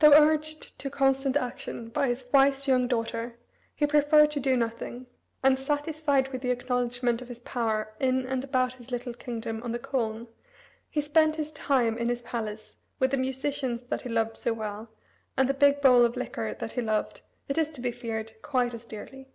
Though urged to constant action by his wise young daughter, he preferred to do nothing; and, satisfied with the acknowledgment of his power in and about his little kingdom on the Colne, he spent his time in his palace with the musicians that he loved so well, and the big bowl of liquor that he loved, it is to be feared, quite as dearly.